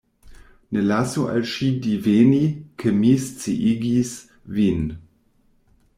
Ne lasu al ŝi diveni, ke mi sciigis vin.